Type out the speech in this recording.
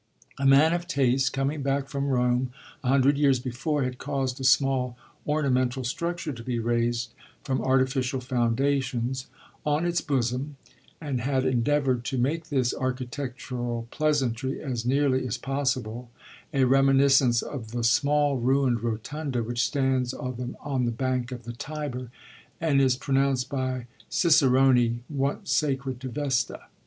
A man of taste, coming back from Rome a hundred years before, had caused a small ornamental structure to be raised, from artificial foundations, on its bosom, and had endeavoured to make this architectural pleasantry as nearly as possible a reminiscence of the small ruined rotunda which stands on the bank of the Tiber and is pronounced by ciceroni once sacred to Vesta.